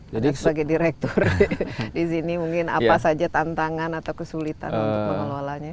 jadi sebagai direktur di sini mungkin apa saja tantangan atau kesulitan untuk mengelolanya